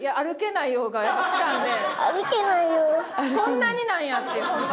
そんなになんやってホンマ